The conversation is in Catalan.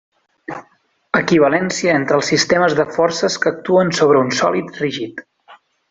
Equivalència entre els sistemes de forces que actuen sobre un sòlid rígid.